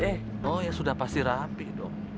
eh oh ya sudah pasti rapi dong